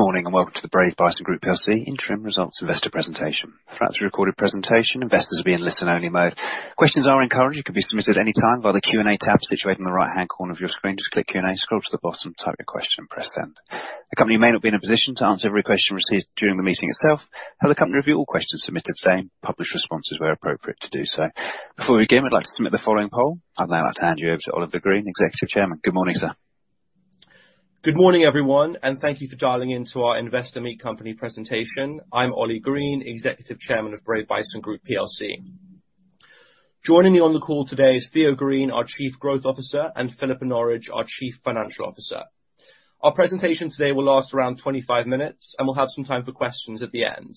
Good morning, and welcome to the Brave Bison Group plc Interim Results Investor Presentation. Throughout this recorded presentation, investors will be in listen-only mode. Questions are encouraged and can be submitted at any time via the Q&A tab situated in the right-hand corner of your screen. Just click Q&A, scroll to the bottom, type your question, and press Send. The company may not be in a position to answer every question received during the meeting itself; however, the company will review all questions submitted today and publish responses where appropriate to do so. Before we begin, I'd like to submit the following poll. I'd now like to hand you over to Oli Green, Executive Chairman. Good morning, sir. Good morning, everyone, and thank you for dialing in to our Investor Meet Company presentation. I'm Oli Green, Executive Chairman of Brave Bison Group PLC. Joining me on the call today is Theo Green, our Chief Growth Officer, and Philippa Norridge, our Chief Financial Officer. Our presentation today will last around 25 minutes, and we'll have some time for questions at the end.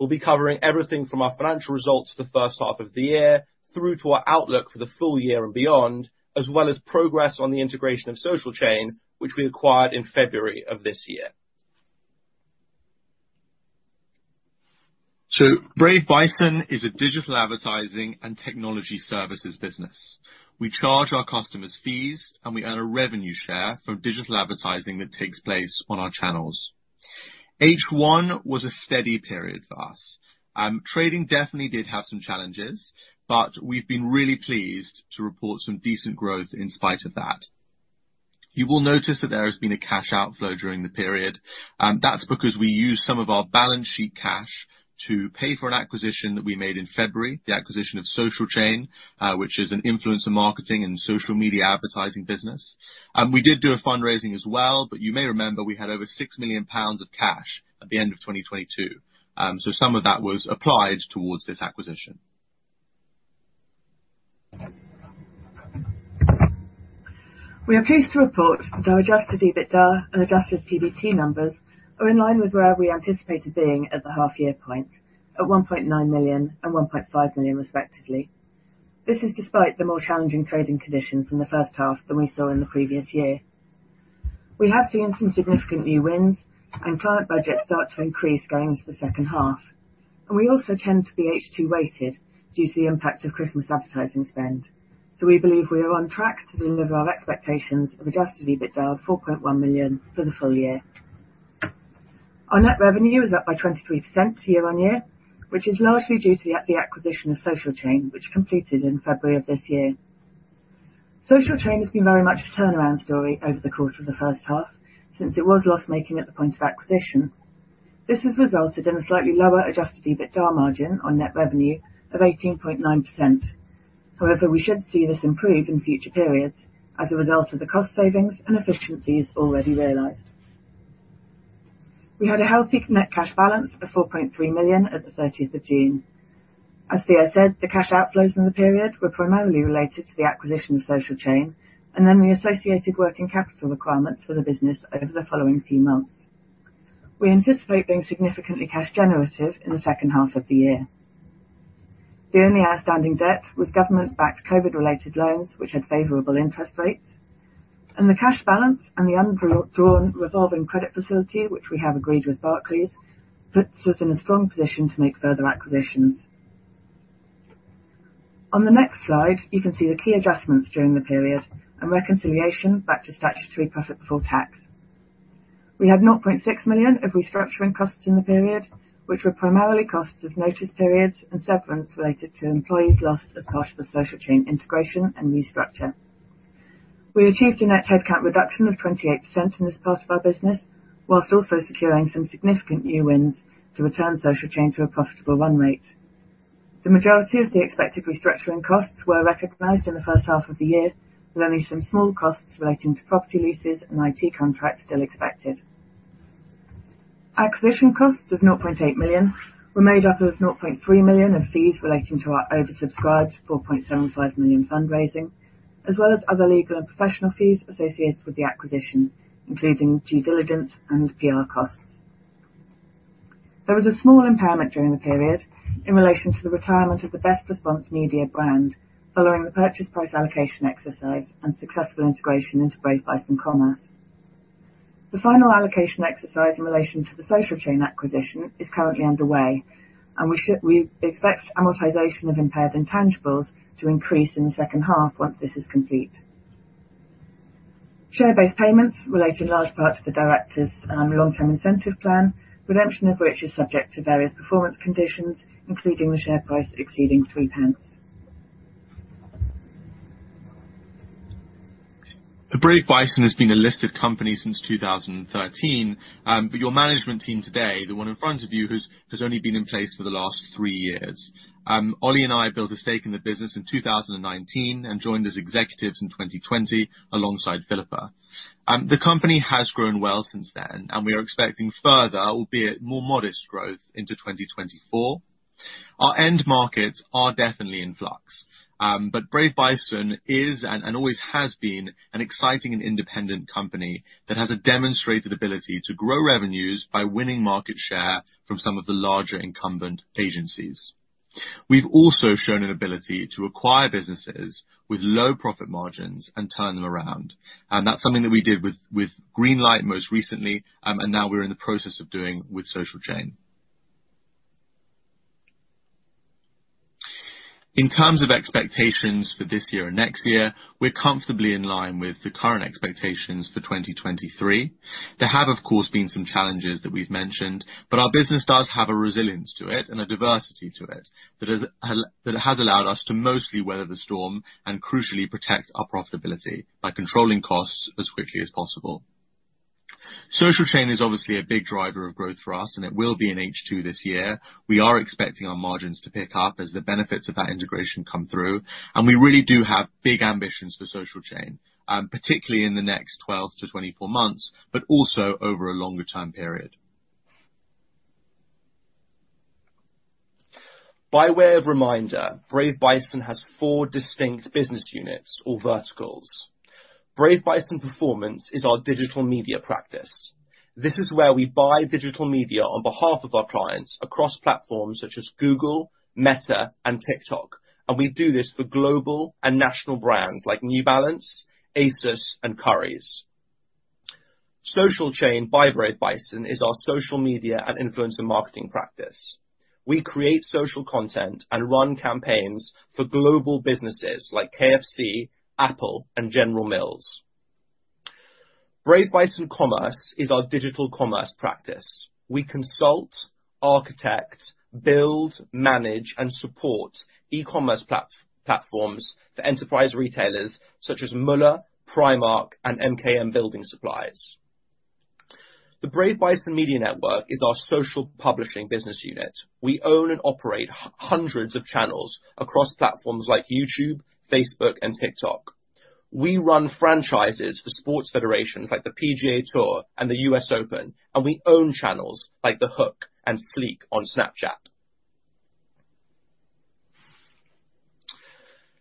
We'll be covering everything from our financial results for the first half of the year, through to our outlook for the full year and beyond, as well as progress on the integration of Social Chain, which we acquired in February of this year. Brave Bison is a digital advertising and technology services business. We charge our customers fees, and we earn a revenue share from digital advertising that takes place on our channels. H1 was a steady period for us. Trading definitely did have some challenges, but we've been really pleased to report some decent growth in spite of that. You will notice that there has been a cash outflow during the period, and that's because we used some of our balance sheet cash to pay for an acquisition that we made in February, the acquisition of Social Chain, which is an influencer marketing and social media advertising business. We did do a fundraising as well, but you may remember we had over 6 million pounds of cash at the end of 2022. Some of that was applied towards this acquisition. We are pleased to report that our Adjusted EBITDA and Adjusted PBT numbers are in line with where we anticipated being at the half-year point, at 1.9 million and 1.5 million respectively. This is despite the more challenging trading conditions in the first half than we saw in the previous year. We have seen some significant new wins, and client budgets start to increase going into the second half, and we also tend to be H2 weighted due to the impact of Christmas advertising spend. So we believe we are on track to deliver our expectations of Adjusted EBITDA of 4.1 million for the full year. Our net revenue is up by 23% year-on-year, which is largely due to the acquisition of Social Chain, which completed in February of this year. Social Chain has been very much a turnaround story over the course of the first half, since it was loss-making at the point of acquisition. This has resulted in a slightly lower Adjusted EBITDA margin on net revenue of 18.9%. However, we should see this improve in future periods as a result of the cost savings and efficiencies already realized. We had a healthy net cash balance of 4.3 million at the thirtieth of June. As Theo said, the cash outflows in the period were primarily related to the acquisition of Social Chain and then the associated working capital requirements for the business over the following few months. We anticipate being significantly cash generative in the second half of the year. The only outstanding debt was government-backed COVID-related loans, which had favorable interest rates, and the cash balance and the undrawn revolving credit facility, which we have agreed with Barclays, puts us in a strong position to make further acquisitions. On the next slide, you can see the key adjustments during the period and reconciliation back to statutory profit before tax. We had 0.6 million of restructuring costs in the period, which were primarily costs of notice periods and severance related to employees lost as part of the Social Chain integration and restructure. We achieved a net headcount reduction of 28% in this part of our business, whilst also securing some significant new wins to return Social Chain to a profitable run rate. The majority of the expected restructuring costs were recognized in the first half of the year, with only some small costs relating to property leases and IT contracts still expected. Acquisition costs of 0.8 million were made up of 0.3 million of fees relating to our oversubscribed 4.75 million fundraising, as well as other legal and professional fees associated with the acquisition, including due diligence and PR costs. There was a small impairment during the period in relation to the retirement of the Best Response Media brand, following the purchase price allocation exercise and successful integration into Brave Bison Commerce. The final allocation exercise in relation to the Social Chain acquisition is currently underway, and we expect amortization of impaired intangibles to increase in the second half once this is complete. Share-based payments relate in large part to the directors' Long-Term Incentive Plan, redemption of which is subject to various performance conditions, including the share price exceeding 3 pence. So Brave Bison has been a listed company since 2013, but your management team today, the one in front of you, has only been in place for the last three years. Oli and I built a stake in the business in 2019 and joined as executives in 2020 alongside Philippa. The company has grown well since then, and we are expecting further, albeit more modest, growth into 2024. Our end markets are definitely in flux, but Brave Bison is, and always has been, an exciting and independent company that has a demonstrated ability to grow revenues by winning market share from some of the larger incumbent agencies. We've also shown an ability to acquire businesses with low profit margins and turn them around, and that's something that we did with Greenlight most recently, and now we're in the process of doing with Social Chain. In terms of expectations for this year and next year, we're comfortably in line with the current expectations for 2023. There have, of course, been some challenges that we've mentioned, but our business does have a resilience to it and a diversity to it that has allowed us to mostly weather the storm and crucially protect our profitability by controlling costs as quickly as possible. Social Chain is obviously a big driver of growth for us, and it will be in H2 this year. We are expecting our margins to pick up as the benefits of that integration come through, and we really do have big ambitions for Social Chain, particularly in the next 12-24 months, but also over a longer time period. By way of reminder, Brave Bison has four distinct business units or verticals. Brave Bison Performance is our digital media practice. This is where we buy digital media on behalf of our clients across platforms such as Google, Meta, and TikTok, and we do this for global and national brands like New Balance, ASUS, and Currys. Social Chain by Brave Bison is our social media and influencer marketing practice. We create social content and run campaigns for global businesses like KFC, Apple, and General Mills. Brave Bison Commerce is our digital commerce practice. We consult, architect, build, manage, and support e-commerce platforms for enterprise retailers such as Müller, Primark, and MKM Building Supplies. The Brave Bison Media Network is our social publishing business unit. We own and operate hundreds of channels across platforms like YouTube, Facebook, and TikTok. We run franchises for sports federations like the PGA Tour and the US Open, and we own channels like The Hook and Slick on Snapchat.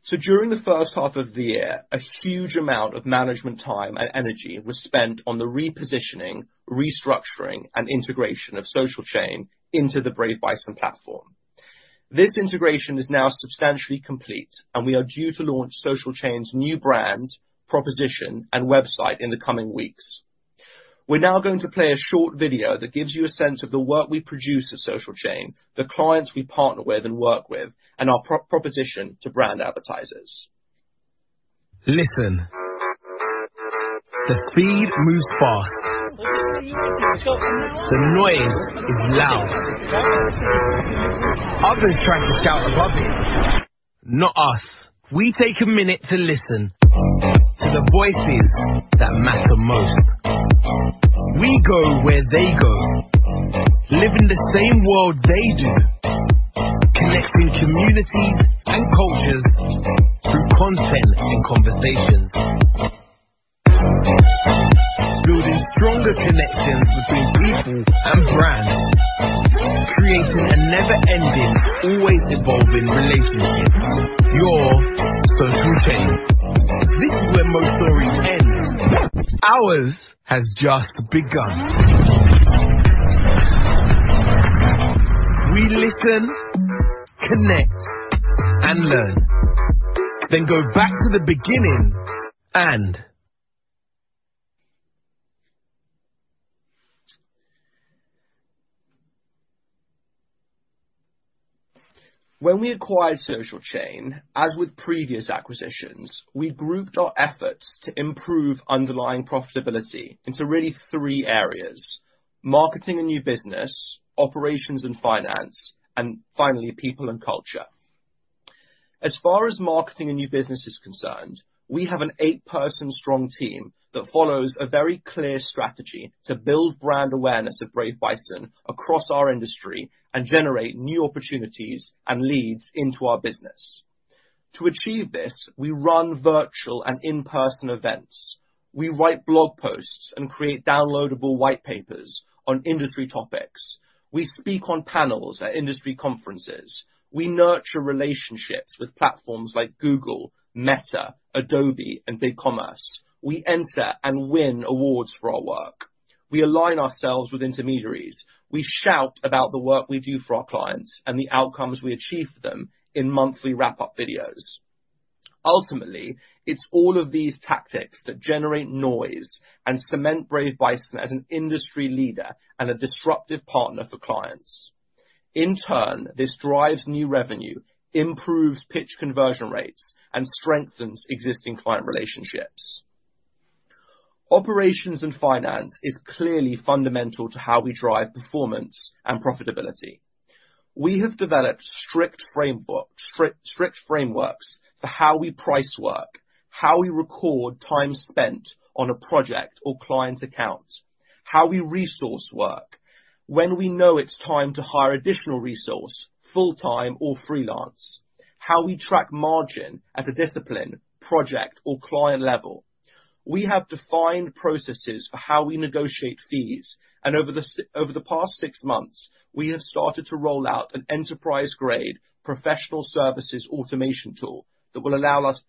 So during the first half of the year, a huge amount of management time and energy was spent on the repositioning, restructuring, and integration of Social Chain into the Brave Bison platform. This integration is now substantially complete, and we are due to launch Social Chain's new brand, proposition, and website in the coming weeks. We're now going to play a short video that gives you a sense of the work we produce at Social Chain, the clients we partner with and work with, and our proposition to brand advertisers. Listen. The feed moves fast. The noise is loud. Others try to shout above it, not us. We take a minute to listen to the voices that matter most. We go where they go, live in the same world they do, connecting communities and cultures through content and conversations. Building stronger connections between people and brands, creating a never-ending, always evolving relationship, your Social Chain. This is where most stories end. Ours has just begun. We listen, connect, and learn, then go back to the beginning. When we acquired Social Chain, as with previous acquisitions, we grouped our efforts to improve underlying profitability into really three areas: marketing and new business, operations and finance, and finally, people and culture. As far as marketing and new business is concerned, we have an eight-person strong team that follows a very clear strategy to build brand awareness of Brave Bison across our industry and generate new opportunities and leads into our business. To achieve this, we run virtual and in-person events. We write blog posts and create downloadable white papers on industry topics. We speak on panels at industry conferences. We nurture relationships with platforms like Google, Meta, Adobe, and BigCommerce. We enter and win awards for our work. We align ourselves with intermediaries. We shout about the work we do for our clients and the outcomes we achieve for them in monthly wrap-up videos. Ultimately, it's all of these tactics that generate noise and cement Brave Bison as an industry leader and a disruptive partner for clients. In turn, this drives new revenue, improves pitch conversion rates, and strengthens existing client relationships. Operations and finance is clearly fundamental to how we drive performance and profitability. We have developed strict framework, strict, strict frameworks for how we price work, how we record time spent on a project or client account, how we resource work, when we know it's time to hire additional resource, full-time or freelance, how we track margin at a discipline, project, or client level. We have defined processes for how we negotiate fees, and over the past six months, we have started to roll out an enterprise-grade professional services automation tool that will allow us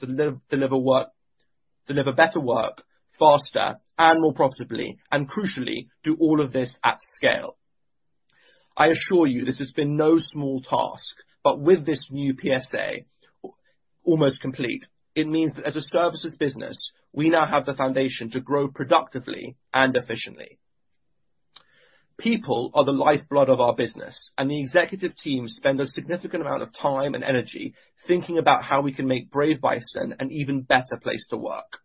to deliver work, deliver better work, faster and more profitably, and crucially, do all of this at scale. I assure you, this has been no small task, but with this new PSA almost complete, it means that as a services business, we now have the foundation to grow productively and efficiently. People are the lifeblood of our business, and the executive team spend a significant amount of time and energy thinking about how we can make Brave Bison an even better place to work.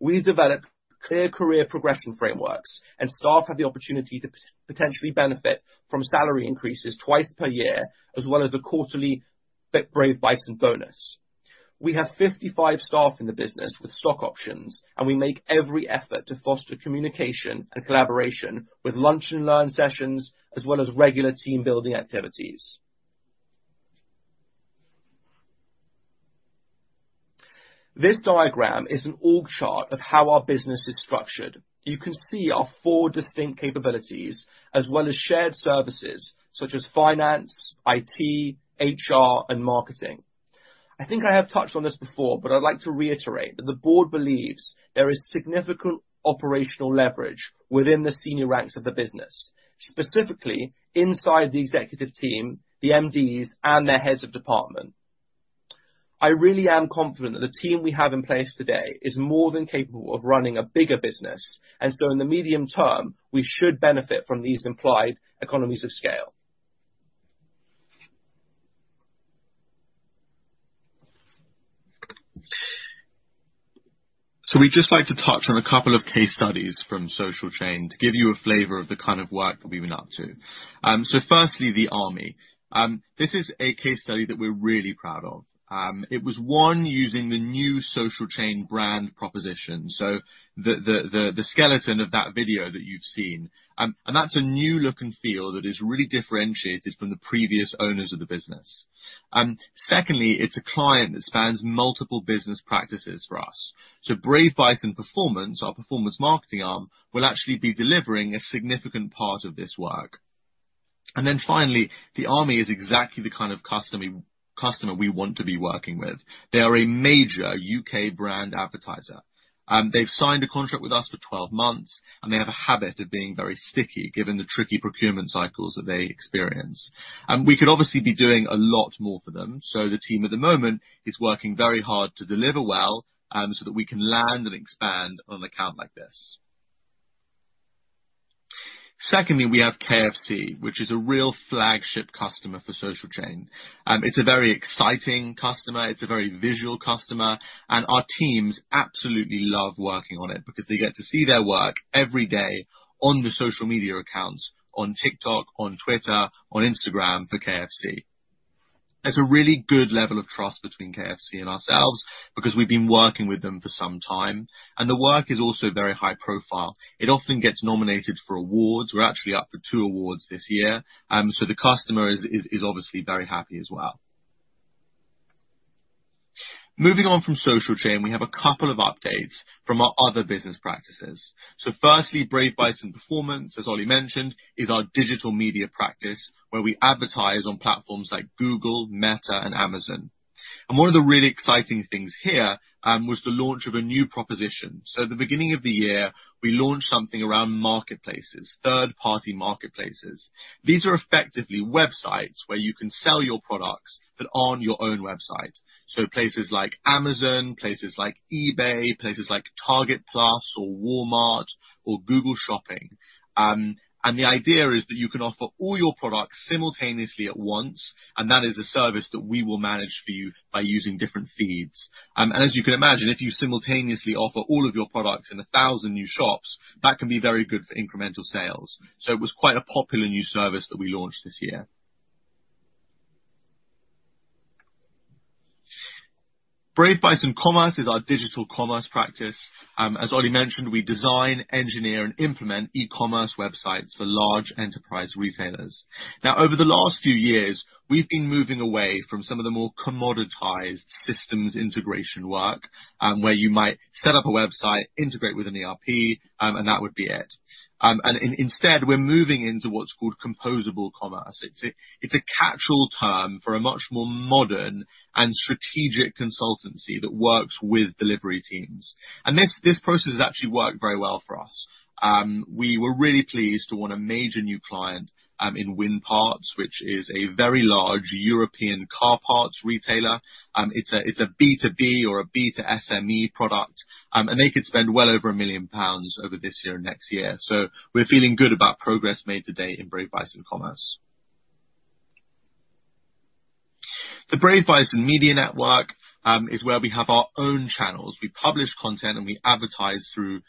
We've developed clear career progression frameworks, and staff have the opportunity to potentially benefit from salary increases twice per year, as well as the quarterly Brave Bison bonus. We have 55 staff in the business with stock options, and we make every effort to foster communication and collaboration, with lunch and learn sessions, as well as regular team building activities. This diagram is an org chart of how our business is structured. You can see our four distinct capabilities, as well as shared services, such as Finance, IT, HR, and Marketing. I think I have touched on this before, but I'd like to reiterate that the board believes there is significant operational leverage within the senior ranks of the business, specifically inside the executive team, the MDs, and their heads of department. I really am confident that the team we have in place today is more than capable of running a bigger business, and so in the medium term, we should benefit from these implied economies of scale. So we'd just like to touch on a couple of case studies from Social Chain, to give you a flavor of the kind of work that we've been up to. So firstly, the Army. This is a case study that we're really proud of. It was one using the new Social Chain brand proposition, so the skeleton of that video that you've seen, and that's a new look and feel that is really differentiated from the previous owners of the business. Secondly, it's a client that spans multiple business practices for us. So Brave Bison Performance, our performance marketing arm, will actually be delivering a significant part of this work. And then finally, the Army is exactly the kind of customer we want to be working with. They are a major U.K. brand advertiser, and they've signed a contract with us for 12 months, and they have a habit of being very sticky, given the tricky procurement cycles that they experience. We could obviously be doing a lot more for them, so the team at the moment is working very hard to deliver well, so that we can land and expand on an account like this. Secondly, we have KFC, which is a real flagship customer for Social Chain. It's a very exciting customer. It's a very visual customer, and our teams absolutely love working on it, because they get to see their work every day on the social media accounts, on TikTok, on Twitter, on Instagram, for KFC. There's a really good level of trust between KFC and ourselves, because we've been working with them for some time, and the work is also very high profile. It often gets nominated for awards. We're actually up for two awards this year, so the customer is obviously very happy as well. Moving on from Social Chain, we have a couple of updates from our other business practices. So firstly, Brave Bison Performance, as Oli mentioned, is our digital media practice, where we advertise on platforms like Google, Meta, and Amazon. And one of the really exciting things here was the launch of a new proposition. So at the beginning of the year, we launched something around marketplaces, third-party marketplaces. These are effectively websites where you can sell your products, but on your own website. So places like Amazon, places like eBay, places like Target Plus or Walmart or Google Shopping. And the idea is that you can offer all your products simultaneously at once, and that is a service that we will manage for you by using different feeds. And as you can imagine, if you simultaneously offer all of your products in 1,000 new shops, that can be very good for incremental sales. So it was quite a popular new service that we launched this year. Brave Bison Commerce is our digital commerce practice. As Oli mentioned, we design, engineer, and implement e-commerce websites for large enterprise retailers. Now, over the last few years, we've been moving away from some of the more commoditized systems integration work, where you might set up a website, integrate with an ERP, and that would be it. And instead, we're moving into what's called composable commerce. It's a catch-all term for a much more modern and strategic consultancy that works with delivery teams. And this process has actually worked very well for us. We were really pleased to win a major new client in Winparts, which is a very large European car parts retailer. It's a B2B or a B2SME product, and they could spend well over 1 million pounds over this year and next year. So we're feeling good about progress made to date in Brave Bison Commerce. The Brave Bison Media Network is where we have our own channels. We publish content, and we monetize through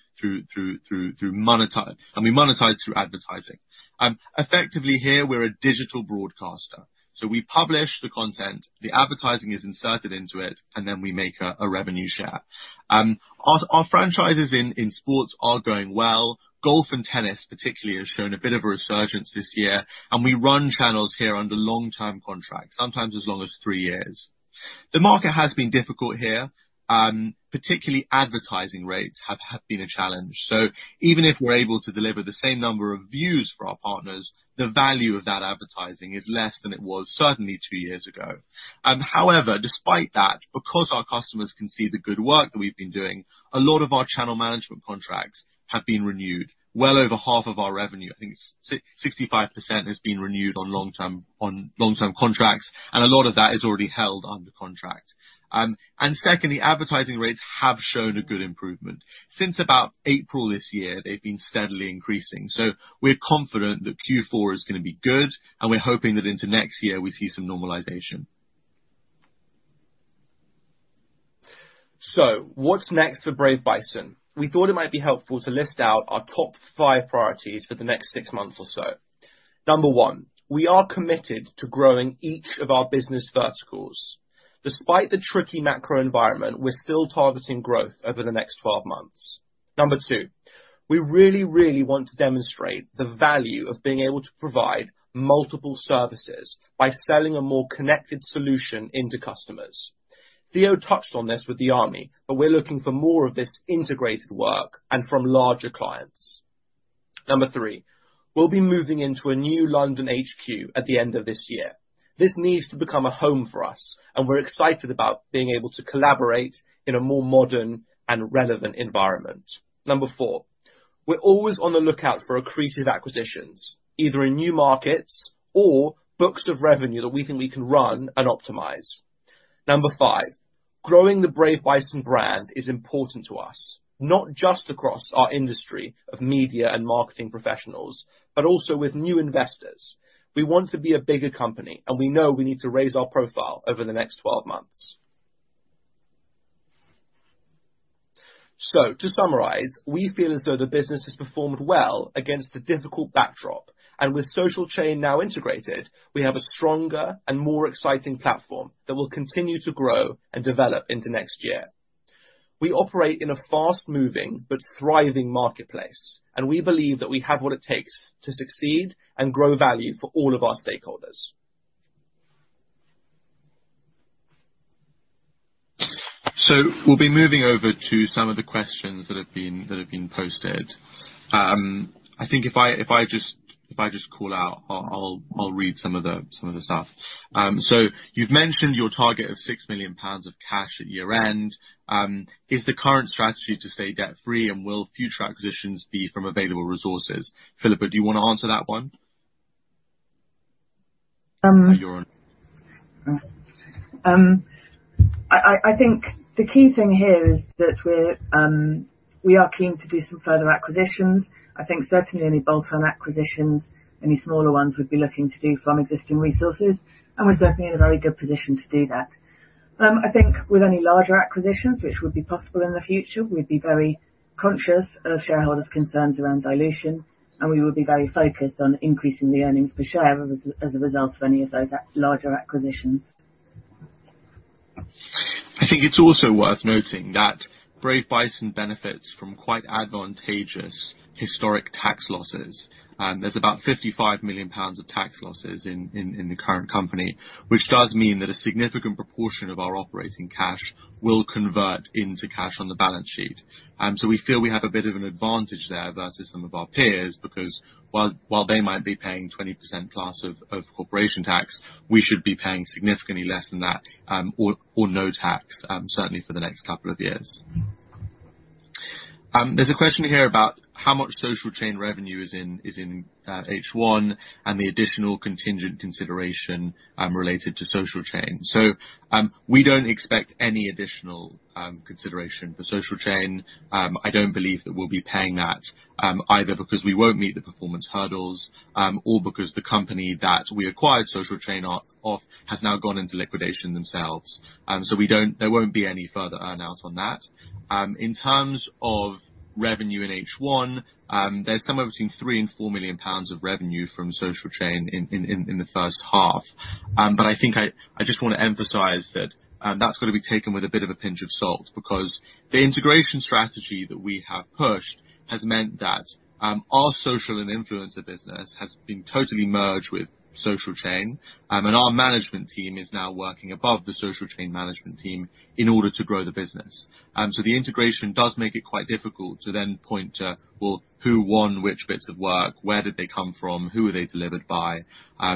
advertising. Effectively here, we're a digital broadcaster, so we publish the content, the advertising is inserted into it, and then we make a revenue share. Our franchises in sports are going well. Golf and tennis particularly has shown a bit of a resurgence this year, and we run channels here under long-term contracts, sometimes as long as three years. The market has been difficult here. Particularly advertising rates have been a challenge. So even if we're able to deliver the same number of views for our partners, the value of that advertising is less than it was certainly two years ago. However, despite that, because our customers can see the good work that we've been doing, a lot of our channel management contracts have been renewed. Well over half of our revenue, I think 65%, has been renewed on long-term, on long-term contracts, and a lot of that is already held under contract. And secondly, advertising rates have shown a good improvement. Since about April this year, they've been steadily increasing, so we're confident that Q4 is gonna be good, and we're hoping that into next year, we see some normalization. So what's next for Brave Bison? We thought it might be helpful to list out our top five priorities for the next six months or so. Number one, we are committed to growing each of our business verticals. Despite the tricky macro environment, we're still targeting growth over the next 12 months. Number two, we really, really want to demonstrate the value of being able to provide multiple services by selling a more connected solution into customers. Theo touched on this with the Army, but we're looking for more of this integrated work and from larger clients. Number three, we'll be moving into a new London HQ at the end of this year. This needs to become a home for us, and we're excited about being able to collaborate in a more modern and relevant environment. Four, we're always on the lookout for accretive acquisitions, either in new markets or books of revenue that we think we can run and optimize. Five, growing the Brave Bison brand is important to us, not just across our industry of media and marketing professionals, but also with new investors. We want to be a bigger company, and we know we need to raise our profile over the next 12 months. So to summarize, we feel as though the business has performed well against a difficult backdrop, and with Social Chain now integrated, we have a stronger and more exciting platform that will continue to grow and develop into next year. We operate in a fast-moving but thriving marketplace, and we believe that we have what it takes to succeed and grow value for all of our stakeholders. So we'll be moving over to some of the questions that have been posted. I think if I just call out, I'll read some of the stuff. So you've mentioned your target of 6 million pounds of cash at year-end. Is the current strategy to stay debt-free, and will future acquisitions be from available resources? Philippa, do you want to answer that one? Um. You're on. I think the key thing here is that we're, we are keen to do some further acquisitions. I think certainly any bolt-on acquisitions, any smaller ones we'd be looking to do from existing resources, and we're certainly in a very good position to do that. I think with any larger acquisitions, which would be possible in the future, we'd be very conscious of shareholders' concerns around dilution, and we would be very focused on increasing the earnings per share as a result of any of those larger acquisitions. I think it's also worth noting that Brave Bison benefits from quite advantageous historic tax losses. There's about 55 million pounds of tax losses in the current company, which does mean that a significant proportion of our operating cash will convert into cash on the balance sheet. So we feel we have a bit of an advantage there versus some of our peers, because while they might be paying 20% plus of corporation tax, we should be paying significantly less than that, or no tax, certainly for the next couple of years. There's a question here about how much Social Chain revenue is in H1, and the additional contingent consideration related to Social Chain. So we don't expect any additional consideration for Social Chain. I don't believe that we'll be paying that, either because we won't meet the performance hurdles, or because the company that we acquired Social Chain off has now gone into liquidation themselves. So we don't. There won't be any further earn-out on that. In terms of revenue in H1, there's somewhere between 3 million and 4 million pounds of revenue from Social Chain in the first half. But I think I just want to emphasize that, that's got to be taken with a bit of a pinch of salt. Because the integration strategy that we have pushed has meant that, our social and influencer business has been totally merged with Social Chain, and our management team is now working above the Social Chain management team in order to grow the business. So the integration does make it quite difficult to then point to, well, who won which bits of work? Where did they come from? Who were they delivered by?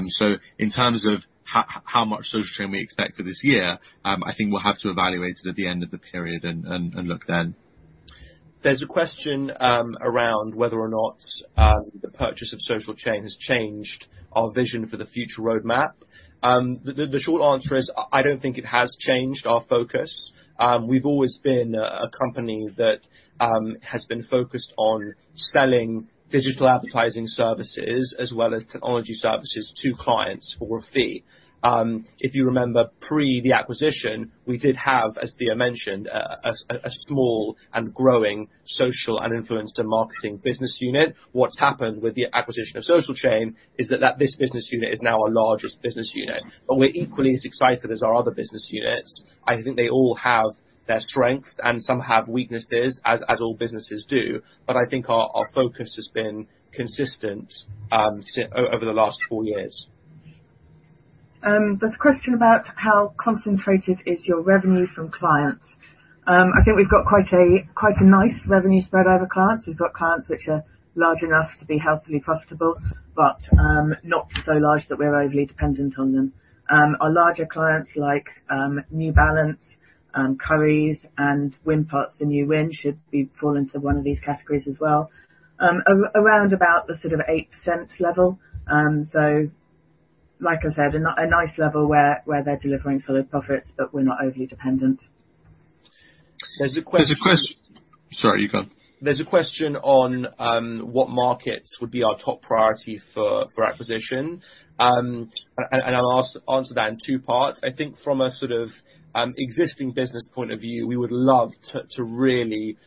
So in terms of how much Social Chain we expect for this year, I think we'll have to evaluate it at the end of the period and look then. There's a question around whether or not the purchase of Social Chain has changed our vision for the future roadmap. The short answer is, I don't think it has changed our focus. We've always been a company that has been focused on selling digital advertising services as well as technology services to clients for a fee. If you remember, pre the acquisition, we did have, as Theo mentioned, a small and growing social and influencer marketing business unit. What's happened with the acquisition of Social Chain is that this business unit is now our largest business unit, but we're equally as excited as our other business units. I think they all have their strengths, and some have weaknesses, as all businesses do, but I think our focus has been consistent, so over the last four years. There's a question about: How concentrated is your revenue from clients? I think we've got quite a nice revenue spread over clients. We've got clients which are large enough to be healthily profitable, but not so large that we're overly dependent on them. Our larger clients, like New Balance, Currys and Winparts, the new wind, should be fall into one of these categories as well. Around about the sort of 8% level. So like I said, a nice level where they're delivering solid profits, but we're not overly dependent. There's a question. There's a quest. Sorry, you go. There's a question on what markets would be our top priority for acquisition? And I'll answer that in two parts. I think from a sort of existing business point of view, we would love to really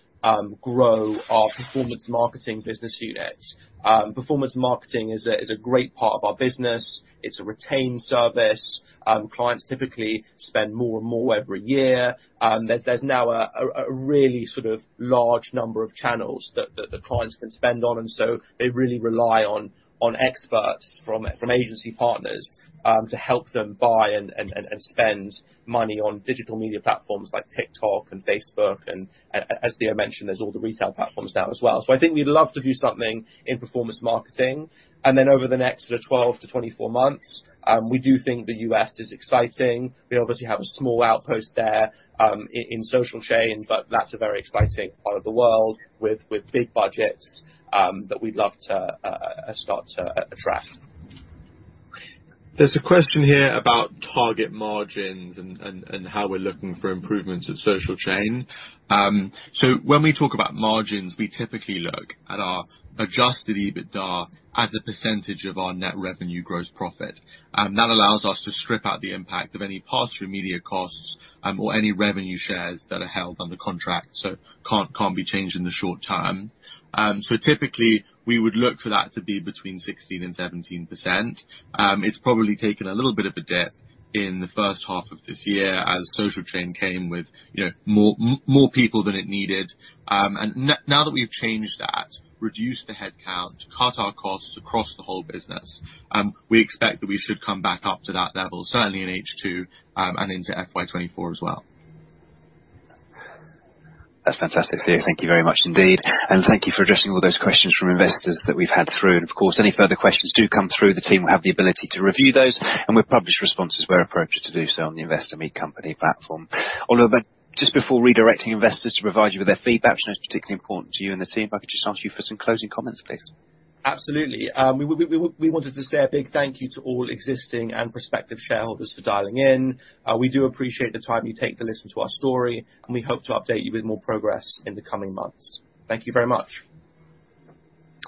grow our performance marketing business unit. Performance marketing is a great part of our business. It's a retained service. Clients typically spend more and more every year. There's now a really sort of large number of channels that the clients can spend on, and so they really rely on experts from agency partners to help them buy and spend money on digital media platforms like TikTok and Facebook, and as Theo mentioned, there's all the retail platforms now as well. So I think we'd love to do something in performance marketing. And then over the next sort of 12-24 months, we do think the U.S. is exciting. We obviously have a small outpost there, in Social Chain, but that's a very exciting part of the world with big budgets that we'd love to start to attract. There's a question here about target margins and how we're looking for improvements at Social Chain. So when we talk about margins, we typically look at our Adjusted EBITDA as a percentage of our net revenue gross profit. That allows us to strip out the impact of any pass-through media costs, or any revenue shares that are held under contract, so can't be changed in the short term. So typically, we would look for that to be between 16% and 17%. It's probably taken a little bit of a dip in the first half of this year as Social Chain came with, you know, more people than it needed. Now that we've changed that, reduced the headcount, cut our costs across the whole business, we expect that we should come back up to that level, certainly in H2, and into FY 2024 as well. That's fantastic, Theo. Thank you very much indeed, and thank you for addressing all those questions from investors that we've had through. Of course, any further questions do come through, the team will have the ability to review those, and we'll publish responses where appropriate to do so on the Investor Meet Company platform. Although, but just before redirecting investors to provide you with their feedback, which is particularly important to you and the team, if I could just ask you for some closing comments, please. Absolutely. We wanted to say a big thank you to all existing and prospective shareholders for dialing in. We do appreciate the time you take to listen to our story, and we hope to update you with more progress in the coming months. Thank you very much.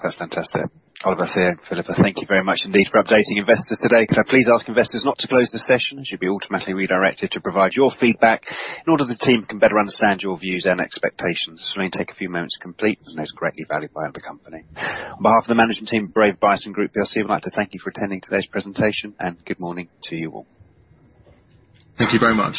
That's fantastic. Oliver, Theo, Philippa, thank you very much indeed for updating investors today. Could I please ask investors not to close the session? You'll be automatically redirected to provide your feedback in order the team can better understand your views and expectations. It'll only take a few moments to complete, and is greatly valued by the company. On behalf of the management team at Brave Bison Group plc, we'd like to thank you for attending today's presentation, and good morning to you all. Thank you very much.